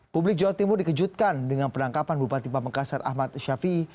publik jawa timur dikejutkan dengan penangkapan bupati pamekasan ahmad syafii ⁇